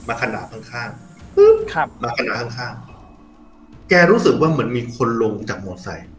ขนาดข้างข้างครับมาขนาดข้างข้างแกรู้สึกว่าเหมือนมีคนลงจากมอไซค์